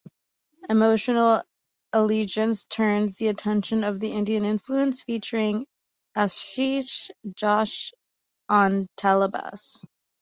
"Emotional Allegiance" turns the attention to the Indian influence featuring Ashish Joshi on Tablas.